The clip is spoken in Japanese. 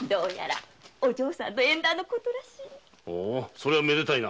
それはめでたいな。